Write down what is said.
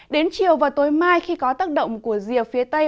đến chiều và tối mai khi có tác động của rìa phía tây